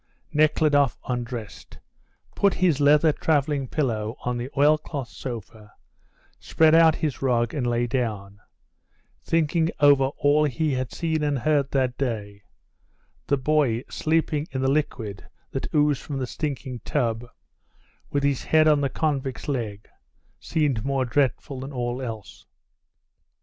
Nekhludoff undressed, put his leather travelling pillow on the oilcloth sofa, spread out his rug and lay down, thinking over all he had seen and heard that day; the boy sleeping on the liquid that oozed from the stinking tub, with his head on the convict's leg, seemed more dreadful than all else.